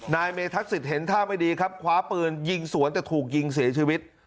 นายเมธัศิษย์เห็นท่าไม่ดีครับคว้าปืนยิงสวนแต่ถูกยิงเสียชีวิต